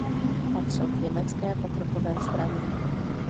Patřil k Německé pokrokové straně.